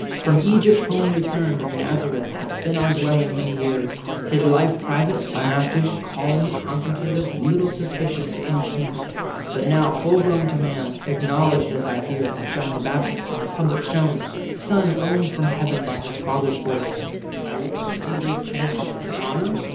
From Egypt home returned, in Nazareth Hath been our dwelling many years; his life 80 Private, unactive, calm, contemplative, Little suspicious to any king. But now, Full grown to man, acknowledged, as I hear, By John the Baptist, and in public shewn, Son owned from Heaven by his Father's voice, I looked for some great change. To honour?